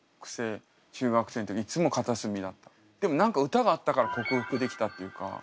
でも何か歌があったから克服できたっていうか。